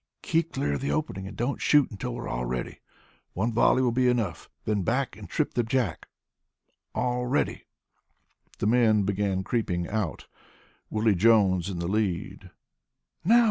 "Keep clear of the opening and don't shoot until we're all ready. One volley will be enough, then back and trip the jack. All ready!" The men began creeping out, Willie Jones in the lead. "Now!"